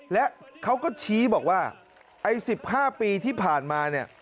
และเขาก็ชี้บอกว่าไอ้๑๕ปีที่ผ่านมาเนี่ย